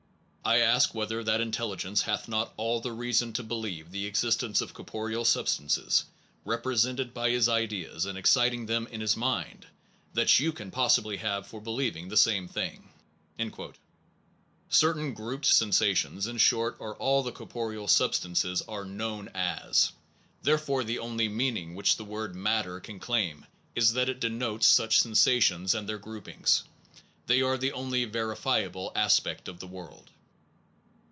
I ask whether that intelligence hath not all the reason to be lieve the existence of corporeal substances, represented by his ideas, and exciting them in his mind, that you can possibly have for be lieving the same thing. 2 Certain grouped sensa tions, in short, are all that corporeal sub 1 Ibid., book ii, chap, xxvii, 9 27. 2 Principles of Human Knowledge, part i, 5 17, 20. THE ONE AND THE MANY stances are known as, therefore the only mean ing which the word matter 9 can claim is that it denotes such sensations and their groupings. They are the only verifiable aspect of the word.